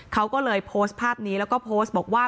เขาก็เลยโพสต์ภาพนี้แล้วก็โพสต์บอกว่า